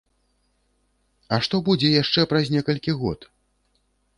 А што будзе яшчэ праз некалькі год?